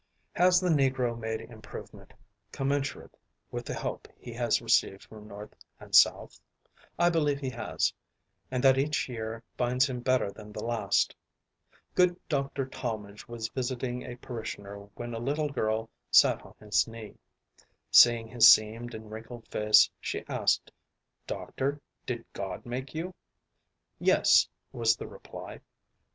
Has the Negro made improvement commensurate with the help he has received from North and South? I believe he has, and that each year finds him better than the last. Good Dr. Talmage was visiting a parishioner when a little girl sat on his knee. Seeing his seamed and wrinkled face, she asked, "Doctor, did God make you?" "Yes," was the reply.